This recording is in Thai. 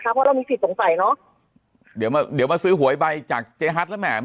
เพราะเรามีผิดสงสัยเนอะเดี๋ยวมาเดี๋ยวมาซื้อหวยใบจากเจ๊ฮัทแล้วแหม